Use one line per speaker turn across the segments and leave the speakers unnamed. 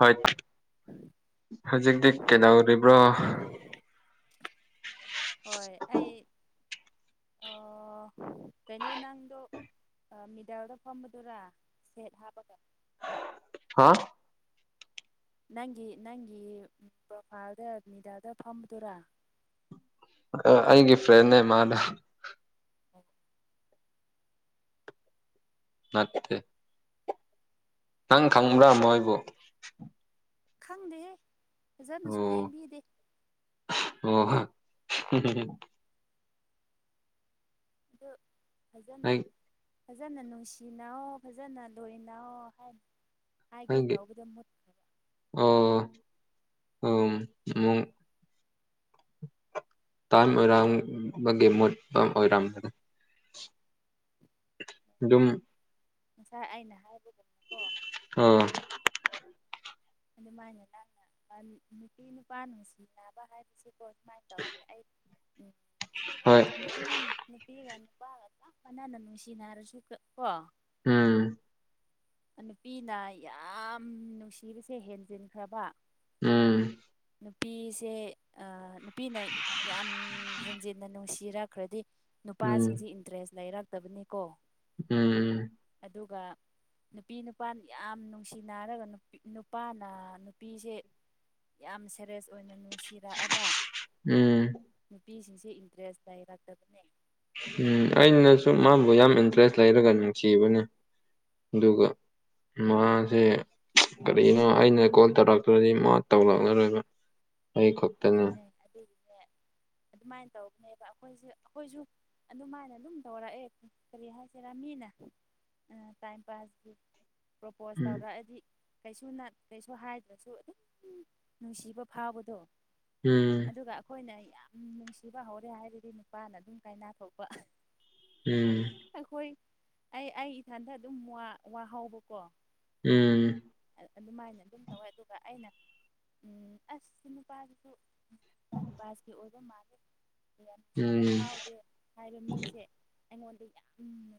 ꯍꯣꯏ ꯍꯧꯖꯤꯛꯇꯤ ꯀꯩꯗꯧꯔꯤꯕ꯭ꯔꯣ
ꯍꯣꯏ ꯑꯩ ꯑꯣ ꯀꯩꯅꯣ ꯅꯪꯗꯣ ꯃꯤꯗꯥꯜꯗ ꯐꯝꯕꯗꯨꯔꯥ ꯁꯦꯠ ꯍꯥꯞꯄꯒ
ꯍꯥꯥ
ꯅꯪꯒꯤ ꯅꯪꯒꯤ ꯄ꯭ꯔꯣꯐꯥꯜꯗꯅꯤꯗꯥꯗ ꯐꯝꯕꯗꯨꯔꯥ
ꯑꯩꯒꯤ ꯐ꯭ꯔꯦꯟꯦ ꯃꯥꯗ
ꯑꯣ
ꯃꯠꯇ ꯅꯪ
ꯑꯗꯨ
ꯈꯪꯕ꯭ꯔꯝꯃꯣ ꯑꯩꯕꯨ
ꯈꯪꯗꯦꯍꯦ ꯐꯖꯅꯁꯨ
ꯑꯣ
ꯌꯦꯡꯕꯤꯗꯦ
ꯑꯣ ꯍ
ꯑ
ꯑꯩ
ꯐꯖꯅꯅ ꯐꯖꯅ ꯅꯨꯡꯁꯤꯅꯑꯣ ꯐꯖꯅ ꯂꯣꯏꯅ ꯍꯥꯏꯔꯤ
ꯍꯥꯏꯦ ꯑ ꯑꯣ ꯃ
[inaudible]
ꯇꯥꯏꯝ ꯑꯣꯏꯔꯝꯕꯒꯤ ꯃꯨꯠꯄ ꯑꯣꯏꯔꯝꯅꯤ ꯑꯗꯨꯝ
ꯉꯁꯥꯏ ꯑꯩꯅ ꯍꯥꯏ
ꯑꯣ
ꯑꯗꯨ ꯃꯥꯥꯏꯅ ꯅꯪꯅ ꯅꯨꯄꯤ ꯅꯨꯄꯥ ꯅꯨꯡꯁꯤꯅꯕ ꯍꯥꯏꯕꯁꯤ ꯑꯣ ꯁꯨꯃꯥꯏꯅ ꯇꯧꯒꯦ ꯑꯩ ꯎꯝ
ꯍꯣꯏ
ꯅꯨꯄꯤ ꯅꯨꯄꯤꯒꯅ ꯄꯥꯒ ꯆꯞ ꯃꯅꯅ ꯅꯨꯡꯁꯤꯅꯔꯁꯨ ꯀꯣ
ꯎꯝ
ꯅꯨꯄꯤꯅ ꯌꯥꯝ ꯅꯨꯡꯁꯤꯕꯁꯦ ꯍꯦꯟꯖꯤꯟꯈ꯭ꯔꯕ
ꯎꯝ
ꯅꯨꯄꯤꯁꯦ ꯅꯨꯄꯤꯅ ꯌꯥꯝ ꯍꯦꯟꯖꯤꯟꯅ ꯅꯨꯡꯁꯤꯔꯛꯈ꯭ꯔꯗꯤ
ꯎꯝ
ꯅꯨꯄꯥꯁꯤꯡꯁꯤ ꯏꯟꯇꯔꯦꯁ ꯂꯩꯔꯛꯇꯕꯅꯤꯀꯣ
ꯎꯝ
ꯑꯗꯨꯒ ꯅꯨꯄꯤ ꯅꯨꯄꯥꯅ ꯌꯥꯝ ꯅꯨꯡꯁꯤꯅꯔꯒ ꯅꯨꯄꯥꯅ ꯅꯨꯄꯤꯁꯦ ꯌꯥꯝ ꯁꯦꯔꯦꯁ ꯑꯣꯏꯅ ꯅꯨꯡꯁꯤꯔꯛꯑꯕ
ꯎꯝ
ꯅꯨꯄꯤꯁꯤꯡꯁꯦ ꯏꯟꯇꯔꯦꯁ ꯇꯥꯏꯔꯥꯛꯛꯇꯕꯅꯦ
ꯎꯝ ꯑꯩꯅꯁꯨ ꯃꯥꯕꯨ ꯌꯥꯝ ꯏꯟꯇꯔꯦꯁ ꯂꯩꯔꯒ ꯅꯨꯡꯁꯤꯕꯅꯦ ꯑꯗꯨꯒ ꯃꯥꯁꯦ ꯀꯔꯤꯅꯣ ꯑꯩꯅ ꯀꯣꯜ ꯇꯧꯔꯛꯇ꯭ꯔꯗꯤ ꯃꯥ ꯇꯧꯔꯛꯂꯔꯣꯏꯕ ꯑꯩ ꯈꯛꯇꯅꯦ
ꯑꯗꯨꯅꯦ ꯑꯗꯨꯒꯤꯅꯦ ꯑꯗꯨꯃꯥꯏꯅ ꯇꯧꯕꯅꯦꯕ ꯑꯩꯈꯣꯏꯁꯦ ꯑꯩꯈꯣꯏꯁꯨ ꯑꯗꯨꯃꯥꯏꯅ ꯑꯗꯨꯝ ꯇꯧꯔꯛꯑꯦ ꯀꯔꯤ ꯍꯥꯏꯁꯤꯔꯥ ꯃꯤꯅ ꯎ ꯇꯥꯏꯝ ꯄꯥꯁ ꯄ꯭ꯔꯣꯄꯣꯁ
ꯎꯝ
ꯇꯧꯔꯛꯑꯗꯤ ꯀꯩꯁꯨ ꯀꯩꯁꯨ ꯍꯥꯏꯗ꯭ꯔꯁꯨ ꯑꯗꯨꯝ ꯅꯨꯡꯁꯤꯕ ꯐꯥꯎꯕꯗꯣ
ꯎꯝ
ꯑꯗꯨꯒ ꯑꯩꯈꯣꯏꯅ ꯌꯥꯝ ꯅꯨꯡꯁꯤꯕ ꯍꯧꯔꯦ ꯍꯥꯏꯔꯗꯤ ꯅꯨꯄꯥꯅ ꯑꯗꯨꯝ ꯀꯥꯏꯅꯥ ꯊꯣꯛꯄ
ꯎꯝ
ꯑꯩꯈꯣꯏ ꯑꯩ ꯑꯩ ꯏꯊꯟꯗ ꯑꯗꯨꯝ ꯋꯥꯍꯕꯀꯣ
ꯎꯝ
ꯑꯗꯨꯃꯥꯏꯅ ꯑꯗꯨꯝ ꯇꯧꯋꯦ ꯑꯗꯨꯒ ꯑꯩꯅ ꯎ ꯑꯁ ꯄꯥꯁꯨ ꯇꯥꯏ ꯄꯥꯁꯁꯤ ꯑꯣꯗ ꯃꯥꯅꯦꯦ ꯌꯥꯝ
ꯎꯝ ꯎꯝ
ꯁꯤꯕ ꯐꯥꯎꯗꯦ ꯍꯥꯏꯕ ꯃꯤꯁꯦ ꯑꯩꯉꯣꯟꯗ ꯌꯥꯝ ꯅꯨꯡ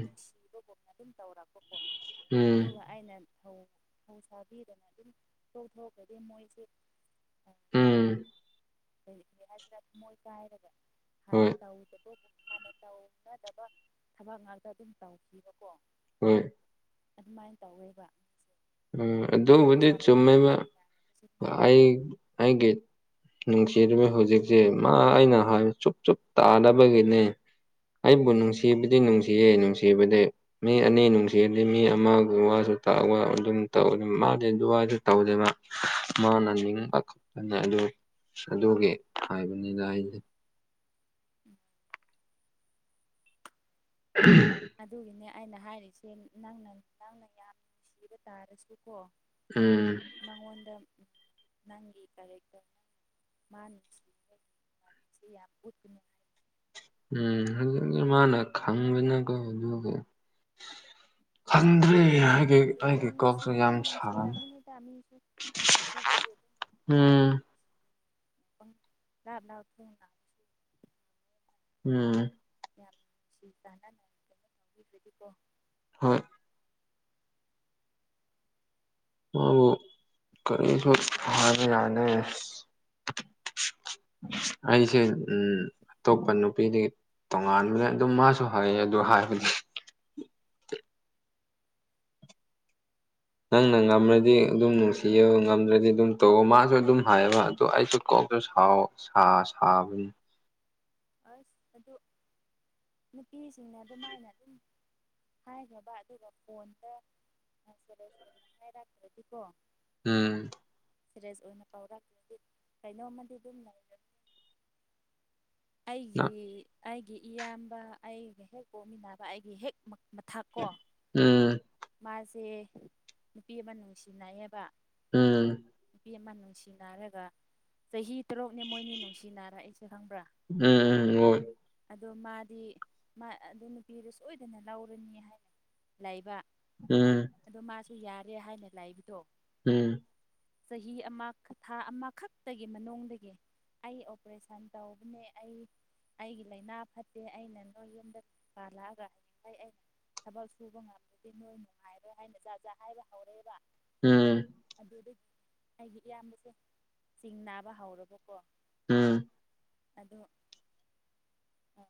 ꯅꯨꯡꯁꯤꯕꯒꯨꯝꯅ ꯑꯗꯨꯝ ꯇꯧꯔꯛꯄꯀꯣ
ꯎꯝ
ꯑꯗꯨꯒ ꯑꯩꯅ ꯧ ꯐꯧ ꯁꯥꯕꯤꯗꯅ ꯑꯗꯨꯝ ꯇꯣꯛꯊꯣꯛꯒꯗꯤ ꯃꯣꯏꯁꯦ
ꯎꯝ
ꯍꯥꯏꯁꯤꯔ ꯊꯃꯣꯏ ꯀꯥꯏꯔꯒ
ꯍꯣꯏ
ꯍꯥꯟꯅ ꯇꯧꯋꯗꯣ ꯍꯥꯟꯅ ꯇꯧꯅꯗꯕ ꯊꯕꯛ ꯉꯥꯛꯇ ꯑꯗꯨꯝ ꯇꯧꯈꯤꯕꯀꯣ
ꯍꯣꯏ
ꯑꯗꯨꯃꯥꯏꯅ ꯇꯧꯋꯦꯕ
ꯎ ꯑꯗꯨꯕꯨꯗꯤ
ꯂꯩꯁꯥ ꯄꯥꯈꯪ
ꯆꯨꯝꯃꯦꯩꯕ
ꯅꯨꯡꯁꯤ ꯅꯥꯅꯕꯁꯦ ꯑꯗꯨꯃꯥꯏꯅ
ꯑꯩ
ꯇꯧꯋꯦꯕ
ꯑꯩꯒꯦ ꯁꯤ ꯑꯗꯨꯃꯤ ꯍꯧꯖꯤꯛꯁꯦ ꯃꯥ ꯑꯩꯅ ꯍꯥꯏ ꯆꯨꯞ ꯆꯨꯞ ꯇꯥꯅꯕꯒꯤꯅꯦ ꯑꯩꯕꯨ ꯅꯨꯡꯁꯤꯕꯗꯤ ꯅꯨꯡꯁꯤꯌꯦ ꯅꯨꯡꯁꯤꯕꯗꯤ ꯃꯤ ꯑꯅꯤ ꯅꯨꯡꯁꯤꯕꯗꯤ ꯃꯤ ꯑꯃꯒꯁꯨ ꯇꯥ ꯑꯗꯨꯝ ꯇꯧ ꯃꯥꯗꯤ ꯑꯗꯨꯋꯥꯏꯗ ꯇꯧꯗꯅ ꯃꯥꯅ ꯅꯤꯡꯕ ꯈꯛꯇꯅ ꯑꯗꯨ ꯑꯗꯨꯒꯤ ꯍꯥꯏꯕꯅꯤꯅ ꯑꯩꯁꯦ
ꯑꯗꯨꯒꯤꯅꯦ ꯑꯩꯅ ꯍꯥꯏꯔꯤꯁꯦ ꯅꯪꯅ ꯅꯪꯅ ꯌꯥꯝ ꯅꯨꯡꯁꯤꯕ ꯇꯥꯔꯁꯨ ꯀꯣ
ꯎꯝ
ꯃꯉꯣꯟꯗ ꯎ ꯅꯪꯒꯤ ꯀꯔꯀꯝ ꯃꯥꯅꯤꯁꯤꯦ ꯈꯨꯅꯤ
ꯎꯝ ꯍ ꯃꯥꯅ ꯈꯥꯡꯕꯅ ꯀ ꯑꯗ꯭ꯔꯦ
ꯑꯗꯨ ꯅꯨꯡ ꯁꯤꯕꯨꯗꯤ
ꯁꯥꯡꯉꯦ
ꯅꯨꯡꯁꯤꯔꯝꯃꯅꯤꯗ ꯃꯤꯁꯨ ꯀꯁꯨꯕꯨꯗꯤ ꯑꯗꯨꯝ
ꯎꯝ
ꯂꯥꯛꯊ
ꯎꯝ
ꯌꯥꯝ ꯅꯨꯡꯁꯤ ꯇꯅꯕꯤꯣ
ꯍꯣꯏ ꯕꯨ ꯀꯔꯤꯁꯨ ꯐꯔ ꯌꯥꯅꯦ
[inaudible]
ꯑꯩꯁꯦ ꯎꯝ ꯑꯇꯣꯞꯄ ꯅꯨꯄꯤꯗꯤ ꯇꯣꯉꯥꯟꯕꯅꯦ ꯑꯗꯨꯝ ꯃꯥꯁꯨ ꯍꯥꯏꯌꯦ ꯑꯗꯨ ꯍꯥꯏꯕꯅꯦ ꯅꯪꯅ
ꯑꯗꯨ
ꯉꯝꯃꯗꯤ ꯑꯗꯨꯝ ꯅꯨꯡꯁꯤ ꯤ ꯉꯝꯗ꯭ꯔꯗꯤ ꯑꯗꯨꯝ ꯇꯧ ꯃꯥꯁꯨ ꯑꯗꯨꯝ ꯍꯥꯏꯌꯦꯕ ꯑꯗꯨ ꯑꯩꯁꯨ ꯀꯣꯛꯁꯨꯥꯎꯕꯅꯤ
[inaudible] ꯑꯁ ꯑꯗꯨ ꯅꯨꯄꯤꯁꯤꯡꯅ ꯑꯗꯨꯃꯥꯏꯅ ꯑꯗꯨꯝ ꯍꯥꯏꯈ꯭ꯔꯕ ꯑꯗꯨꯒ ꯐꯣꯟꯗ ꯃꯦꯁꯦꯖ ꯑꯣꯏꯅ ꯍꯥꯏꯔꯈ꯭ꯔꯗꯤꯀꯣ
ꯍꯝ
ꯁꯦꯔꯤꯁ ꯑꯣꯏꯅ ꯄꯥꯎꯔꯥꯛꯂ ꯀꯩꯅꯣꯝꯃꯗꯤ ꯑꯗꯨꯝ ꯂꯩ
ꯎꯝ
ꯑꯩꯒꯤ ꯑꯩꯒꯤ ꯏꯌꯥꯝꯕ ꯑꯩꯒ ꯍꯦꯛ ꯄꯣꯛꯃꯤꯟꯅꯕ ꯑꯩꯒꯤ ꯍꯦꯛ ꯃꯊꯛꯀꯣ
ꯎꯝ
ꯃꯥꯁꯦ ꯅꯨꯄꯤ ꯑꯃ ꯅꯨꯡꯁꯤꯅꯑꯕ
ꯎꯝ
ꯅꯨꯄꯤ ꯑꯃ ꯅꯨꯡꯁꯤꯅꯔꯒ ꯆꯍꯤ ꯇꯔꯨꯛꯅꯤ ꯃꯣꯏꯅꯤ ꯅꯨꯡꯁꯤ ꯅꯥꯔ ꯑꯩꯁꯦ ꯈꯪꯕ꯭ꯔꯥ
ꯎꯝ ꯎꯝ ꯑꯣꯏꯣꯏ
ꯑꯗꯣ ꯃꯥꯗꯤ ꯑꯗꯨ ꯅꯨꯄꯤꯗꯨ ꯁꯣꯏꯗꯅ ꯂꯧꯔꯅꯤ ꯍꯥꯏꯅ ꯂꯩꯕ
ꯎꯝ
ꯑꯗꯨ ꯌꯥꯔꯦ ꯍꯥꯏꯅ ꯂꯥꯛꯏꯕꯗꯣ
ꯎꯝ
ꯆꯍꯤ ꯑꯃ ꯊꯥ ꯑꯃꯈꯛꯇꯒꯤ ꯃꯅꯨꯡꯗꯒꯤ ꯑꯩ ꯑꯣꯄꯔꯦꯁꯟ ꯇꯧꯕꯅꯦ ꯑꯩ ꯑꯩꯒꯤ ꯂꯥꯏꯅꯥ ꯐꯠꯇꯦ ꯑꯩꯅ ꯅꯣꯏ ꯌꯨꯝꯗ ꯄꯥꯜꯂꯛꯑꯒ ꯍꯥꯏꯗꯤ ꯐꯩ ꯑꯩꯅ ꯊꯕꯛ ꯁꯨꯕ ꯉꯝꯗꯗꯤ ꯅꯣꯏ ꯅꯨꯡꯉꯥꯏꯔꯣꯏ ꯍꯥꯏꯅ ꯖꯥ ꯖꯥꯠ ꯍꯥꯏꯕ ꯍꯧꯔꯛꯦꯕ
ꯎꯝ
ꯑꯗꯨ ꯑꯩꯒꯤ ꯏꯌꯥꯝꯕꯁꯦ ꯆꯤꯡ ꯅꯥꯕ ꯍꯧꯔꯕꯀꯣ
ꯍꯝ
ꯑꯗꯣ ꯑ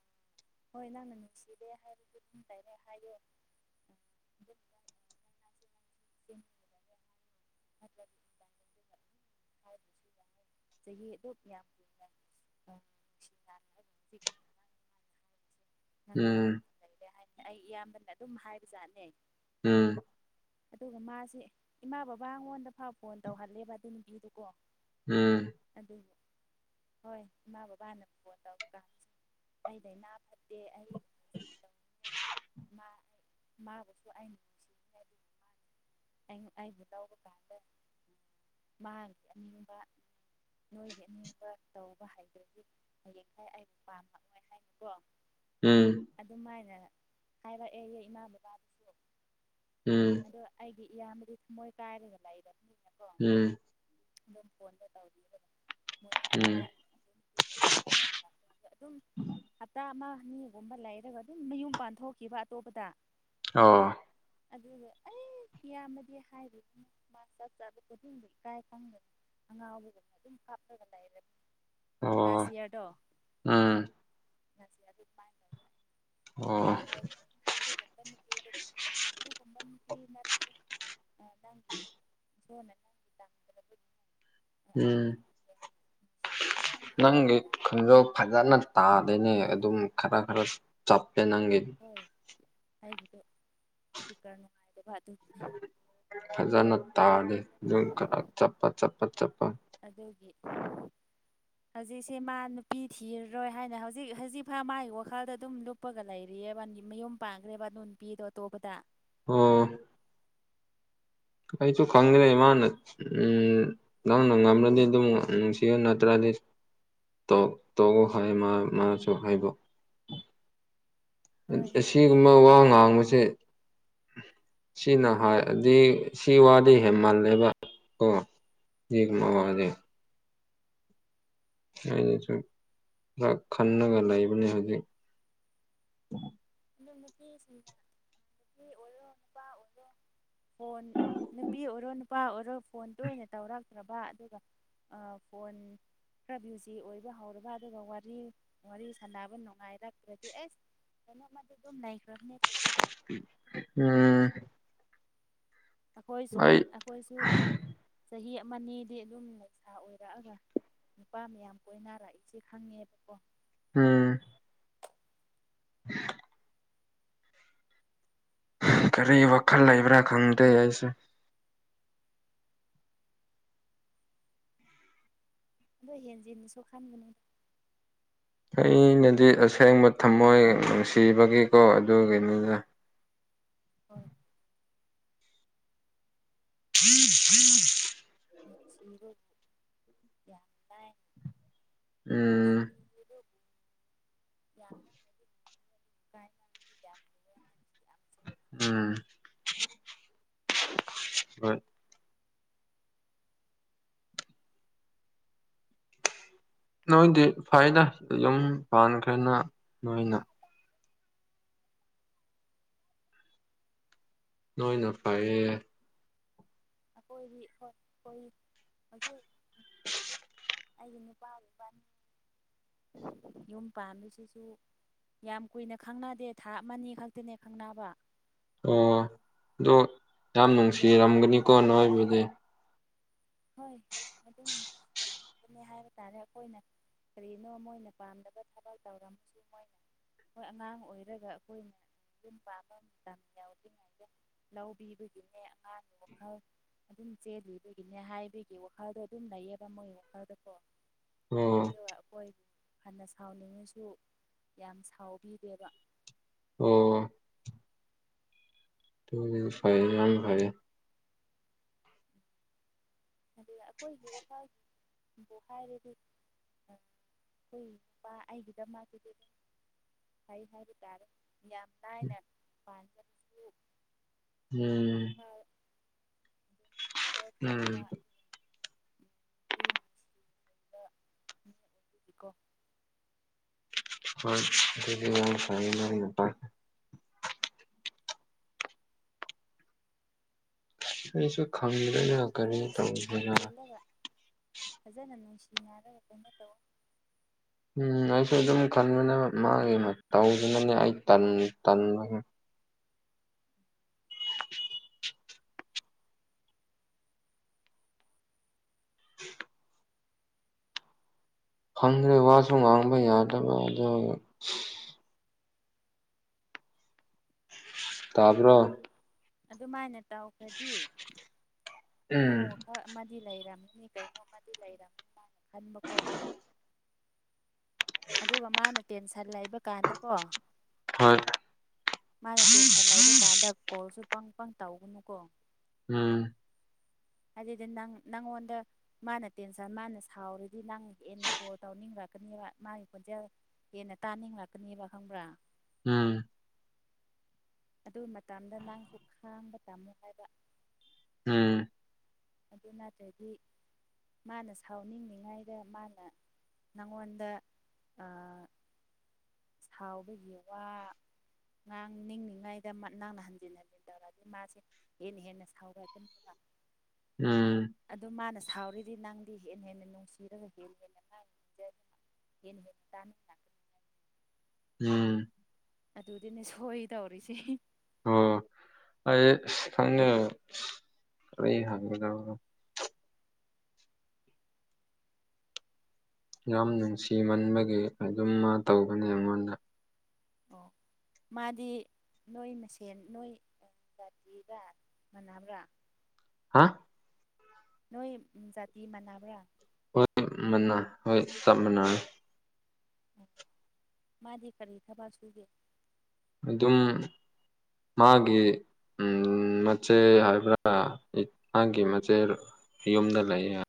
ꯍꯣꯏ ꯅꯪꯅ ꯅꯨꯡꯁꯤꯔꯦ ꯍꯥꯏꯔꯁꯨ ꯑꯗꯨꯝꯗꯥꯥꯏꯔꯦ ꯍꯥꯏꯔꯦ ꯎ [unintelligible] ꯆꯍꯤ ꯑꯗꯨ
ꯎꯝ
ꯍꯥꯏ ꯑꯩ ꯏꯌꯥꯝꯕꯅ ꯑꯗꯨꯝ ꯍꯥꯏꯕꯖꯥꯠꯅꯦ
ꯎꯝ
ꯑꯗꯨꯒ ꯃꯥꯁꯦ ꯏꯃꯥ ꯕꯕꯥ ꯑꯩꯉꯣꯟꯗ ꯐꯥꯎ ꯐꯣꯟ ꯇꯧꯍꯜꯂꯦꯕ ꯑꯗꯨ ꯅꯨꯄꯤꯗꯨꯀꯣ
ꯎꯝ
ꯑꯗꯨꯒꯤ ꯍꯣꯏ ꯏꯃꯥ ꯕꯕꯥꯅ ꯐꯣꯟ ꯇꯔ ꯀꯥꯟ ꯑꯩꯗ ꯏꯅꯥ ꯐ ꯑꯩ ꯇꯧꯉꯩ ꯃꯥꯕꯨꯁꯨ ꯑꯩꯅ ꯅꯨꯡꯁꯤꯔꯤ ꯑꯩꯕꯨ ꯇꯧꯕ ꯀꯥꯟꯗ ꯃꯥꯁ ꯑꯅꯤꯡꯕ ꯅꯣꯏꯒꯤ ꯑꯅꯤꯡꯕ ꯇꯧꯕ ꯍꯩꯗ꯭ꯔꯗꯤ ꯃꯌꯦꯛꯡ ꯈꯥꯏ ꯑꯩꯕꯨ ꯄꯥꯝꯃꯛꯑꯣꯏ ꯍꯥꯏꯅꯤꯀꯣ
ꯎꯝ
ꯑꯗꯨꯝꯃꯥꯏꯅ ꯍꯥꯏꯔꯛꯑꯦꯌꯦ ꯏꯃꯥ ꯕꯕꯥꯗꯨꯁꯨ
ꯎꯝ
ꯑꯗꯣ ꯑꯩꯒꯤ ꯏꯌꯥꯝꯕꯗꯤ ꯊꯨꯝꯃꯣꯏ ꯀꯥꯏꯔꯒ ꯂꯩꯕ
ꯎꯝ
ꯑꯗꯨꯝ ꯀꯣꯟꯗ ꯇꯧꯔꯤ
ꯎꯝ
ꯑꯗꯨꯝ ꯍꯞꯇꯥ ꯑꯃ ꯃꯤꯒꯨꯝꯕ ꯂꯩꯔꯒ ꯑꯗꯨꯝ ꯃꯌꯨꯝ ꯄꯥꯟꯊꯣꯛꯈꯤꯕ ꯑꯇꯣꯞꯄꯗ
ꯑꯣ
ꯑꯗꯨ ꯑꯩ ꯏꯌꯥꯝꯃꯗꯤ ꯍꯥꯏꯔꯤ ꯃꯥ ꯆꯞ ꯆꯥꯕ ꯈꯨꯗꯤꯡꯗ ꯏꯀꯥꯏ ꯈꯪꯕꯅꯤ ꯑꯉ ꯑꯗꯨꯝ ꯀꯞꯒ
ꯑꯣ
ꯅꯥꯁꯤꯌꯥꯗꯣ
ꯎꯝ ꯑꯣ
ꯑꯩꯅ ꯍꯥꯏ ꯑꯗꯨꯒꯨꯝꯕꯒꯤꯠꯇ꯭ꯔꯁꯨ ꯅꯪꯒꯤꯣꯟꯅ ꯅꯒꯤ ꯇꯒꯤ
ꯎꯝ
ꯅꯨꯡꯁꯤꯕ ꯑꯗꯨꯝ
ꯅꯪꯒꯤ
ꯎꯝ
[unintelligible]
ꯍꯣꯏ ꯑꯩꯒꯤꯗꯣ ꯏꯁꯄꯤꯀꯔ ꯅꯨꯡꯉꯥꯏ
ꯐꯖꯅ ꯇꯥꯔꯗꯤ ꯑꯗꯨ ꯈꯔ ꯆꯞꯄ ꯆꯞꯄ ꯆꯞꯄ
ꯑꯗꯨꯒꯤ ꯍꯧꯖꯤꯛꯁꯦ ꯃꯥ ꯅꯨꯄꯤ ꯊꯤꯔꯔꯣꯏ ꯍꯥꯏꯅ ꯍꯧꯖꯤꯛ ꯍꯧꯖꯤꯛꯐꯥꯎ ꯃꯥꯒꯤ ꯋꯥꯈꯜꯗ ꯑꯗꯨꯝ ꯂꯨꯞꯄꯒ ꯂꯩꯔꯤ ꯃꯌꯨꯝ ꯄꯥꯟꯈ꯭ꯔꯦꯕ ꯑꯗꯨ ꯅꯨꯄꯤꯗꯣ ꯑꯇꯣꯞꯄꯗ
ꯑꯣ ꯑꯩꯁꯨ ꯈꯪꯗ꯭ꯔꯦ ꯏꯃꯥꯅ ꯎꯝ ꯅꯪꯅ ꯉꯝꯂꯗꯤ ꯑꯗꯨꯝ ꯅꯨꯡꯁꯤꯌꯨ ꯅꯠꯇ꯭ꯔꯗꯤ ꯇꯣꯛꯎ ꯍꯥꯏ ꯃꯥ ꯃꯥꯁꯨ ꯍꯥꯏꯕ
ꯍꯣꯏ ꯅꯨꯄꯤꯅ
ꯑꯁꯤꯒꯨꯝꯕ ꯋꯥ
ꯑꯗꯨꯃꯥꯏꯅ
ꯉꯥꯡꯕꯁꯦ ꯁꯤꯅ ꯍꯥꯏꯗꯤ ꯁꯤ ꯋꯥꯗꯤ ꯍꯦꯟꯃꯜꯂꯦꯕ ꯀꯣ
ꯍꯣꯏ
[unintelligible] ꯑꯩꯅꯁꯨ ꯈꯔ ꯈꯟꯂꯒ ꯂꯩꯕꯅꯤ ꯍꯧꯖꯤꯛ
ꯑꯗꯨ ꯅꯨꯄꯤꯁꯤꯡꯗ ꯅꯨꯄꯤ ꯑꯣꯏꯔꯣ ꯅꯨꯄꯥ ꯑꯣꯏꯔꯣ ꯐꯣꯟ ꯅꯨꯄꯤ ꯑꯣꯏꯔꯣ ꯅꯨꯄꯥ ꯑꯣꯏꯔꯣ ꯐꯣꯟ ꯇꯣꯏꯅ ꯇꯧꯔꯛꯇ꯭ꯔꯕ ꯑꯗꯨꯒ ꯐꯣꯟ ꯈꯔ ꯚ꯭ꯌꯨꯖꯤ ꯑꯣꯏꯕ ꯍꯧꯔꯕ ꯑꯗꯨꯒ ꯋꯥꯔꯤ ꯋꯥꯔꯤ ꯁꯥꯟꯅꯕ ꯅꯨꯡꯉꯥꯏꯔꯛꯇ꯭ꯔꯥꯗꯤ ꯑꯩꯁ ꯀꯩꯅꯣꯃꯗꯤ ꯗꯨꯝ ꯂꯩꯈ꯭ꯔꯥꯅꯤꯗ
ꯎꯝ
ꯑꯩꯈꯣꯏꯁꯨ
ꯑꯩ
ꯑꯩꯈꯣꯏꯁꯨ ꯆꯍꯤ ꯃꯅꯤꯗꯤ ꯑꯗꯨꯝ ꯂꯩꯩꯁꯥ ꯑꯣꯏꯔꯛꯑꯒ ꯅꯨꯄꯥ ꯃꯌꯥꯝ ꯀꯣꯏꯅꯔꯛꯏꯁꯦ ꯈꯪꯉꯦꯕꯀꯣ
ꯎꯝ [unintelligible] ꯀꯔꯤ ꯋꯥꯈꯜ ꯂꯩꯕ꯭ꯔꯥ ꯈꯪꯗꯦ ꯑꯩꯁꯦ
ꯑꯗꯣ ꯍꯦꯟꯖꯤꯟꯅꯁꯨ ꯈꯟꯒꯅꯨꯗ
ꯑꯩꯅꯗꯤ ꯑꯁꯦꯡꯕ ꯊꯝꯃꯣꯏ ꯅꯨꯡꯁꯤꯕꯒꯤꯀꯣ ꯑꯗꯨꯒꯤꯅꯤꯅ
ꯍꯣꯏ
[unintelligible]
ꯃꯁꯤꯔꯣ ꯌꯥꯝ ꯇꯥꯏ [unintelligible]
ꯎꯝ
[unintelligible]
ꯎꯝ ꯍꯣꯏ ꯅꯣꯏꯗꯤ ꯐꯩꯅ ꯌꯨꯝ ꯄꯥꯟꯈ꯭ꯔꯦꯅ ꯅꯣꯏꯅ ꯅꯣꯏꯅ ꯐꯔꯦꯌꯦ
ꯑꯩꯈꯣꯏꯒꯤ ꯍꯣꯢ ꯑꯩꯈꯣꯏ ꯍꯧꯖꯤꯛ ꯑꯩꯒꯤ ꯅꯨꯄꯥ ꯏꯕꯥꯅꯤ ꯌꯨꯝ ꯄꯥꯟꯕꯁꯤꯁꯨ ꯌꯥꯝ ꯀꯨꯏꯅ ꯈꯪꯅꯗꯦ ꯊꯥ ꯑꯃ ꯅꯤ ꯈꯛꯇꯅꯦ ꯈꯪꯅꯕ
ꯑꯣ ꯑꯗꯨ ꯌꯥꯝ ꯅꯨꯡꯁꯤꯔꯝꯒꯅꯤꯀꯣ ꯅꯣꯏꯕꯨꯗꯤ
ꯍꯣꯏ ꯑꯗꯨꯝ ꯑꯗꯨ ꯍꯥꯏꯕ ꯇꯥꯔꯦ ꯑꯈꯣꯏꯅ ꯀꯔꯤꯅꯣ ꯃꯣꯏꯅ ꯄꯥꯝꯗꯕ ꯊꯕꯛ ꯇꯧꯔꯝꯃꯁꯨ ꯃꯣꯏꯅ ꯍꯣꯏ ꯑꯉꯥꯡ ꯑꯣꯏꯔꯒ ꯑꯈꯣꯢꯅ ꯌꯨꯝ ꯄꯥꯟꯕ ꯃꯇꯝ ꯌꯥꯎꯗ꯭ꯔꯤꯉꯩꯗ ꯂꯧꯕꯤꯕꯒꯤꯅꯦ ꯑꯉꯥꯡꯒꯤ ꯋꯥꯈꯜ ꯑꯗꯨꯝ ꯆꯦꯜ ꯂꯨꯕꯒꯤ ꯅꯦ ꯍꯥꯏꯕꯒꯤ ꯋꯥꯈꯜꯗꯣ ꯑꯗꯨꯝ ꯂꯩꯌꯦꯕ ꯃꯣꯏ ꯋꯥꯈꯜꯗꯀꯣ
ꯑꯣ
ꯑꯗꯨꯒ ꯑꯈꯣꯏ ꯐꯅ ꯁꯥꯎꯅꯤꯡꯉꯁꯨ ꯌꯥꯝ ꯁꯥꯎꯕꯤꯗꯦꯕ
ꯑꯣ ꯇꯨꯅꯤ ꯐꯩꯌꯦ ꯌꯥꯝ ꯐꯩꯌꯦ
ꯑꯗꯨꯒ ꯑꯈꯣꯏꯒꯤ ꯋꯥꯈꯜꯕꯨ ꯍꯥꯏꯔꯗꯤ ꯑ ꯑꯈꯣꯏꯄꯥ ꯑꯩꯒꯤꯗꯃꯛ [unintelligible] ꯍ ꯍꯥꯏꯕ ꯇꯥꯔꯦ ꯌꯥꯝ ꯂꯥꯏꯅ ꯄꯥꯟꯕꯖꯨ
ꯎꯝ ꯎꯝ
[unintelligible] ꯀꯣ
ꯍꯣꯏ [unintelligible] ꯑꯩꯁꯨ ꯈꯪꯗ꯭ꯔꯦꯗ
ꯑꯗꯨꯝ
ꯀꯔꯤ
ꯐꯖꯅ
ꯇꯧꯁꯤꯔ
ꯊꯦꯝꯖꯤꯜꯂꯒ ꯐꯖꯅ ꯅꯨꯡꯁꯤ ꯌꯥꯔꯦ ꯀꯩꯅꯣ ꯇꯧ
ꯎꯝ ꯑꯩꯁꯨ ꯑꯗꯨꯝ ꯈꯟꯕꯅꯦ ꯃꯥꯒꯤ ꯇꯧꯒꯅꯤꯉꯥꯢ ꯑꯩ ꯇꯟꯕꯨ ꯇꯟꯕꯒꯨꯝ ꯐꯪꯗ꯭ꯔꯦ ꯋꯥꯁꯔꯝ ꯍꯥꯡꯕ ꯌꯥꯗ꯭ꯔꯕ ꯑꯗꯨꯒꯤ ꯇꯥꯕ꯭ꯔꯣ
ꯑꯗꯨꯃꯥꯏꯅ ꯇꯧꯈ꯭ꯔꯗꯤ ꯃꯥ
ꯎꯝ
ꯋꯥꯈꯜ ꯑꯃꯗꯤ ꯂꯩꯔꯝ ꯃꯤ ꯀꯩꯅꯣꯝꯃ ꯂꯩꯔꯝꯅꯤ ꯃꯥꯅ ꯈꯟꯕꯀꯣ ꯑꯗꯨꯒ ꯃꯥꯅ ꯇꯦꯟꯁꯟ ꯂꯩꯕ ꯀꯥꯟꯗꯀꯣ
ꯍꯣꯏ
ꯃꯥꯅ ꯇꯦꯟꯁꯟ ꯂꯩꯕ ꯀꯥꯟꯗ ꯀꯣꯜꯁꯨ ꯄꯪ ꯄꯪ ꯇꯧꯒꯅꯨꯀꯣ
ꯎꯝ
ꯑꯗꯨꯗꯤ ꯅꯪ ꯅꯪꯉꯣꯟꯗ ꯃꯥꯅ ꯇꯦꯟꯁꯟ ꯃꯥꯅ ꯁꯥꯎꯔꯗꯤ ꯅꯪ ꯍꯦꯟꯅ ꯀꯣꯜ ꯇꯧꯅꯤꯡꯕ꯭ꯔ ꯃꯥꯒꯤ ꯈꯣꯟꯖꯦꯜ ꯍꯦꯟꯅ ꯇꯥꯅꯤꯡꯂꯛꯀꯅꯦꯕ ꯈꯪꯕ꯭ꯔꯥ
ꯎꯝ
ꯑꯗꯨ ꯃꯇꯝꯗ ꯅꯪꯁꯨ ꯈꯥꯡꯕ ꯇꯝꯃꯨ ꯍꯥꯏꯕ
ꯎꯝ
ꯑꯗꯨ ꯅꯠꯇ꯭ꯔꯗꯤ ꯃꯥꯅ ꯁꯥꯎꯅꯤꯡꯅꯤꯉꯥꯏꯗ ꯃꯥꯅ ꯅꯉꯣꯟꯗ ꯑꯥ ꯁꯥꯎꯕꯒꯤ ꯋꯥ ꯉꯥꯡ ꯅꯤꯡꯅꯤꯉꯥꯏꯗ ꯅꯪꯅ ꯍꯟꯖꯤꯟ ꯍꯟꯖꯤꯟ ꯇꯧꯔꯑꯗꯤ ꯃꯥꯁꯦ ꯍꯦꯟꯅ ꯍꯦꯟꯅ ꯁꯥꯎꯔ ꯑꯗꯨꯝ [inaudible]
ꯎꯝ
ꯁꯥꯎꯔꯗꯤ ꯅꯪꯗꯤ ꯍꯦꯟꯅ ꯍꯦꯟꯅ ꯅꯨꯡꯁꯤꯔꯒ ꯍꯦꯟꯅ ꯍꯦꯟꯅ [unintelligible] ꯍꯦꯟꯅ ꯍꯦꯟꯅ ꯇꯥꯅꯤꯡꯂꯛꯀꯅꯤ ꯍꯥꯢꯕ
ꯎꯝ
ꯑꯗꯨꯗꯤꯅꯦ ꯁꯣꯏ ꯗꯧꯔꯤꯁꯦ
ꯑꯣ ꯑꯩ ꯊꯪꯅ ꯑꯩ ꯍꯥꯏ ꯌꯥꯝ ꯅꯨꯡꯁꯤꯃꯟꯕꯒꯤ ꯑꯗꯨꯝ ꯇꯒꯅꯤ ꯑꯩꯉꯣꯟꯗ
ꯑꯣ ꯃꯥꯗꯤ ꯅꯣꯏ ꯃꯁꯦꯟ ꯅꯣꯏ ꯆꯒ ꯃꯅꯤꯕ꯭ꯔꯥ
ꯍꯥ
ꯅꯣꯏ ꯖꯥꯇꯤ ꯃꯥꯟꯅꯕ꯭ꯔꯥ
ꯍꯣꯏ ꯃ ꯍꯣꯏ ꯆꯞ ꯃꯅ
ꯃꯥꯗꯤ ꯀꯔꯤ ꯊꯕ ꯁꯨꯒꯦ
ꯑꯗꯨꯝ ꯃꯥꯒꯤ ꯎꯝ ꯃꯆꯦ ꯍꯥꯏꯕ꯭ꯔꯥꯥꯡꯒꯤ ꯃꯆꯦꯠ ꯌꯨꯝꯗ ꯂꯩꯌꯦ